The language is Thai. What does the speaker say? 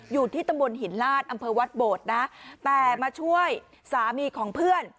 อยู่ที่ตำบลหินลาดอำเภอวัดโบดนะแต่มาช่วยสามีของเพื่อน